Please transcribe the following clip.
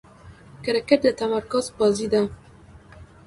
کرکټ د تمرکز بازي ده.